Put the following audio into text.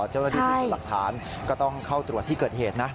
เจ้าหน้าที่พิสูจน์หลักฐานก็ต้องเข้าตรวจที่เกิดเหตุนะ